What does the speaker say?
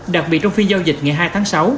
đặc biệt trong phiên giao dịch ngày hai tháng sáu